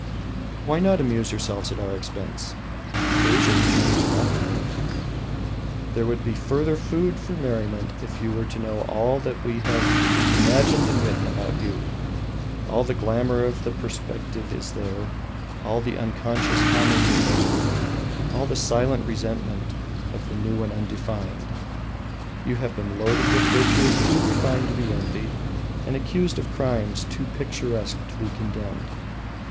Why not amuse yourselves at our expense? Asia returns the compliment. There would be further food for merriment if you were to know all that we have imagined and written about you. All the glamour of the perspective is there, all the unconscious homage of wonder, all the silent resentment of the new and undefined. You have been loaded with virtues too refined to be envied, and accused of crimes too picturesque to be condemned.